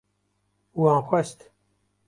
Wan xwest